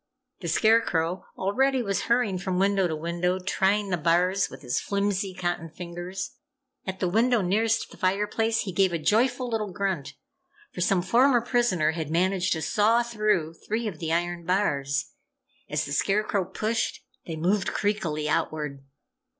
The Scarecrow already was hurrying from window to window, trying the bars with his flimsy, cotton fingers. At the window nearest the fireplace he gave a joyful little grunt, for some former prisoner had managed to saw through three of the iron bars. As the Scarecrow pushed, they moved creakily outward.